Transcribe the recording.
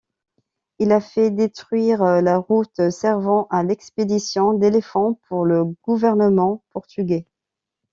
Il a fait détruire la route servant à l'expédition d'éléphants pour le gouvernement portugais.